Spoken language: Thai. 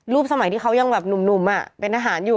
สมัยที่เขายังแบบหนุ่มเป็นทหารอยู่